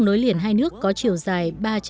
nối liền hai nước có chiều dài